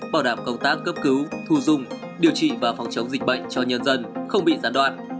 bảo đảm công tác cấp cứu thu dung điều trị và phòng chống dịch bệnh cho nhân dân không bị gián đoạn